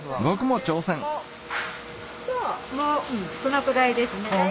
もうそのくらいですね。